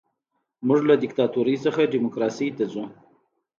موږ له دیکتاتورۍ څخه ډیموکراسۍ ته ځو.